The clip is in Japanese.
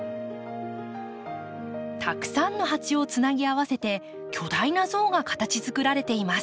たくさんのハチをつなぎ合わせて巨大な像が形作られています。